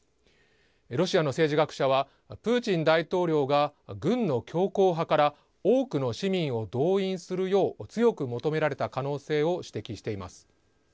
ロシアの政治学者はプーチン大統領が軍の強硬派から多くの市民を動員するよう強く求められた可能性を指摘しています。